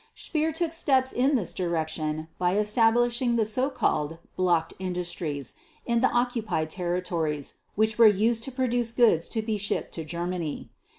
Speer took steps in this direction by establishing the so called "blocked industries" in the occupied territories which were used to produce goods to be shipped to Germany.